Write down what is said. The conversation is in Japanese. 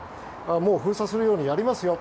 封鎖するようにやりますよ